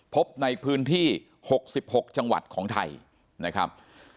พบในพื้นที่๖๖จังหวัดของไทยนะครับ